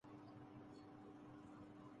اس کے تین بڑے اسباب ہیں۔